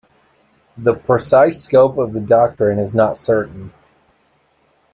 The precise scope of the doctrine is not certain.